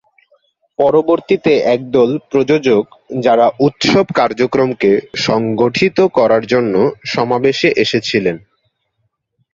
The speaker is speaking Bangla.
পরবর্তীতে একদল প্রযোজক যারা উৎসব কার্যক্রমকে সংগঠিত করার জন্য সমাবেশে এসেছিলেন।